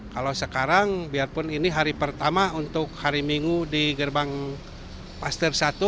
kalau sekarang biarpun ini hari pertama untuk hari minggu di gerbang paster satu